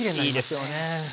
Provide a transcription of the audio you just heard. いいですよね。